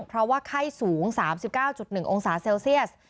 เพราะว่าไข้สูง๓๙๑องศาเซลเซียส